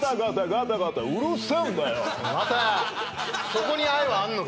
そこに愛はあんのか？